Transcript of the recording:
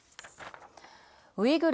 ウイグル